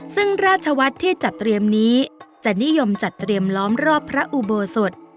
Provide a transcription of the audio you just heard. ซึ่งราชวัฒน์ที่จัดเตรียมนี้จะนิยมจัดเตรียมล้อมรอบพระอุโบสถ